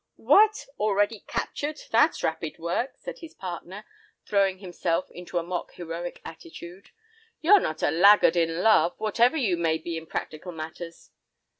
"What! already captured!—that's rapid work," said his partner, throwing himself into a mock heroic attitude. "You're not a laggard in love, whatever you may be in practical matters.